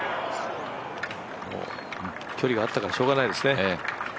距離があったからしようがないですね。